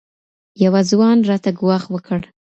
یوه ځوان راته ګواښ وکړ